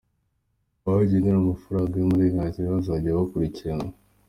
Abagendana amafaranga y’umurengera bazajya bakurikiranwa